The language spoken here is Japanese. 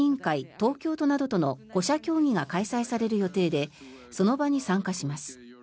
東京都などとの５者協議が開催される予定でその場に参加します。